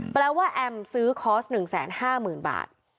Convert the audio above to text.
แปลว่าแอมซื้อคอร์ส๑๕๐๐๐บาท